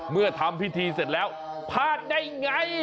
ทำพิธีเสร็จแล้วพลาดได้ไง